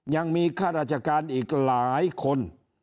ยังมีข้าราชการอีกหลายคน